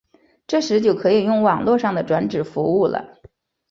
这时就可以用网路上的转址服务了。